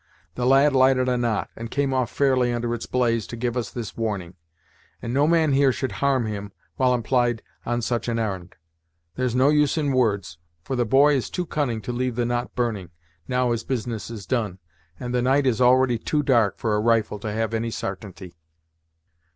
The lad lighted a knot, and came off fairly under its blaze to give us this warning; and no man here should harm him, while empl'yed on such an ar'n'd. There's no use in words, for the boy is too cunning to leave the knot burning, now his business is done, and the night is already too dark for a rifle to have any sartainty."